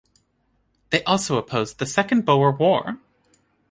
They also opposed the Second Boer War.